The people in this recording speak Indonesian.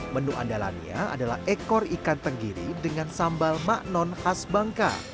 menu andalannya adalah ekor ikan tenggiri dengan sambal maknon khas bangka